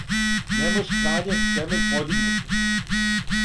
Не мож, краље, темељ подигнути,